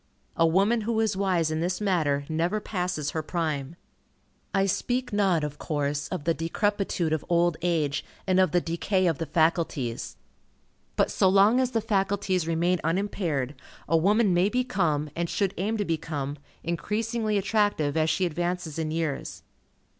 A woman who is wise in this matter, never passes her prime. I speak not, of course, of the decrepitude of old age and of the decay of the faculties. But so long as the faculties remain unimpaired, a woman may become, and should aim to become, increasingly attractive, as she advances in years.